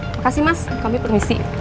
makasih mas kambing permisi